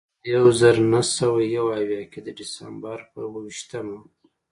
په کال یو زر نهه سوه یو اویا کې د ډسمبر پر اوه ویشتمه.